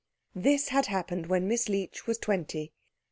This had happened when Miss Leech was twenty.